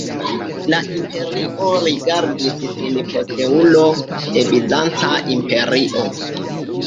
La imperio rigardis sin posteulo de Bizanca imperio.